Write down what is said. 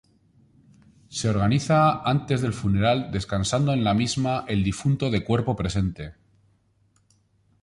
Se organiza antes del funeral descansando en la misma el difunto de cuerpo presente.